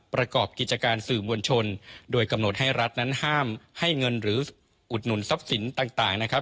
ประกอบกิจการสื่อมวลชนโดยกำหนดให้รัฐนั้นห้ามให้เงินหรืออุดหนุนทรัพย์สินต่างนะครับ